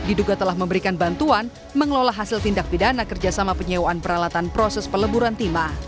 diduga telah memberikan bantuan mengelola hasil tindak pidana kerjasama penyewaan peralatan proses peleburan timah